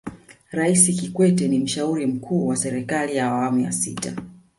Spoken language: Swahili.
raisi kikwete ni mshauri mkuu wa serikali ya awamu ya sita